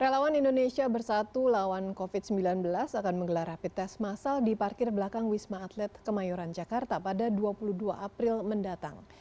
relawan indonesia bersatu lawan covid sembilan belas akan menggelar rapid test masal di parkir belakang wisma atlet kemayoran jakarta pada dua puluh dua april mendatang